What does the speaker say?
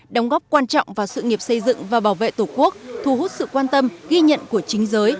đóng góp quan trọng vào sự nghiệp xây dựng và bảo vệ tổ quốc thu hút sự quan tâm ghi nhận của chính giới